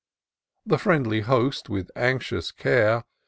The friendly host, with anxious care.